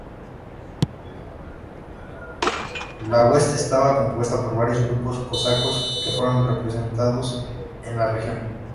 La hueste estaba compuesta por varios grupos cosacos que fueron reasentados en la región.